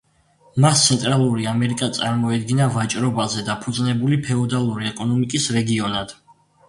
მას ცენტრალური ამერიკა წარმოედგინა ვაჭრობაზე დაფუძნებული ფეოდალური ეკონომიკის რეგიონად.